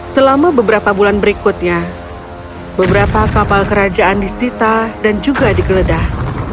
selama beberapa bulan berikutnya beberapa kapal kerajaan disita dan juga digeledah